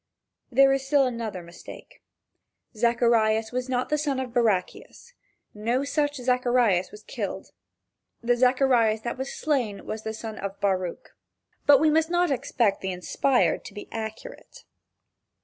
There is still another mistake. Zacharias was not the son of Barachias no such Zacharias was killed. The Zacharias that was slain was the son of Baruch. But we must not expect the "inspired" to be accurate.